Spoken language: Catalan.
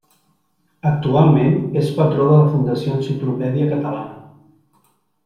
Actualment, és patró de la Fundació Enciclopèdia Catalana.